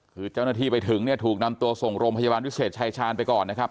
คือเจ้าหน้าที่ไปถึงเนี่ยถูกนำตัวส่งโรงพยาบาลวิเศษชายชาญไปก่อนนะครับ